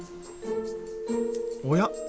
おや？